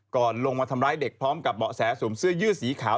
ลงมาทำร้ายเด็กพร้อมกับเบาะแสสวมเสื้อยืดสีขาว